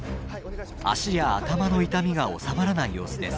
足や頭の痛みが治まらない様子です。